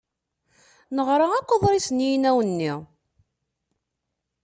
Neɣra akk aḍris n yinaw-nni.